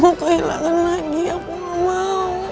aku gak mau kehilangan lagi aku mau